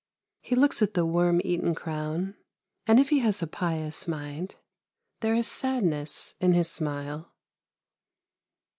He looks at the worm eaten crown, and if he has a pious mind, there is sadness in his smile.